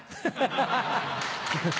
ハハハ。